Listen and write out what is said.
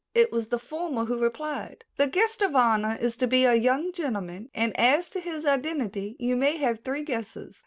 It was the former who replied: "The guest of honor is to be a young gentleman, and, as to his identity, you may have three guesses."